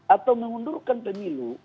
atau mengundurkan pemilu